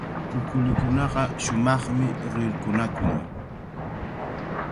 Kukulikunaqa shumaqmi rirqunakun.